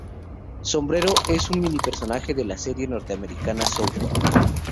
Sombrero es un mini-personaje de la serie norteamericana South Park.